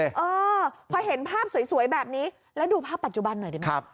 เออพอเห็นภาพสวยแบบนี้แล้วดูภาพปัจจุบันหน่อยดีไหมครับ